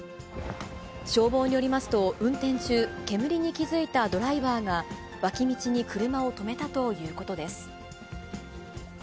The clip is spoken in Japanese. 消防によりますと、運転中、煙に気付いたドライバーが、脇道に車を止めたということです。